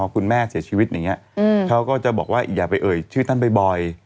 คุณแม่เสียชีวิตอย่างนี้เขาก็จะบอกว่าอย่าไปเอ่ยชื่อท่านบ่อย